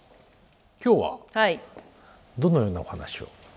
今日はどのようなお話を？